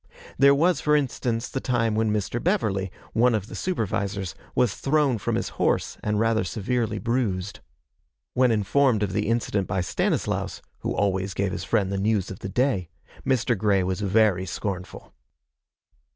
There was, for instance, the time when Mr. Beverly, one of the supervisors, was thrown from his horse and rather severely bruised. When informed of the incident by Stanislaus, who always gave his friend the news of the day, Mr. Grey was very scornful.